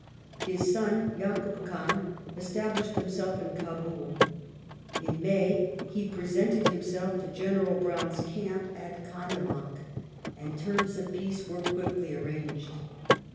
His son, Yakub Khan, established himself in Kabul ; in May he presented himself in General Browne's camp at Gandamak, and terms of peace were quickly arranged.